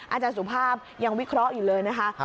อาจารย์สุภาพยังวิเคราะห์อยู่เลยนะคะ